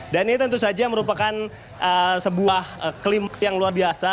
dan ini tentu saja merupakan sebuah klimaks yang luar biasa